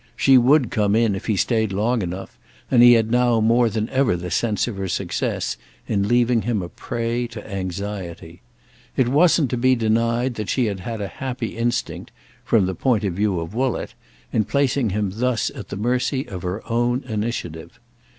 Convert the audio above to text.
She would come in if he stayed long enough, and he had now more than ever the sense of her success in leaving him a prey to anxiety. It wasn't to be denied that she had had a happy instinct, from the point of view of Woollett, in placing him thus at the mercy of her own initiative.